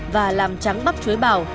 và làm trắng bắp chuối bào